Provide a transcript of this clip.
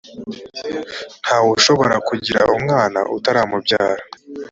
ntawe ushobora kugirwa umwana n utaramubyaye